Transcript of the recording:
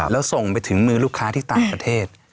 แล้วส่งไปถึงมือลูกค้าที่ต่างประเทศ